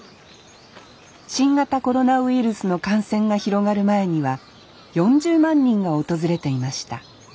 新型コロナウイルスの感染が広がる前には４０万人が訪れていました。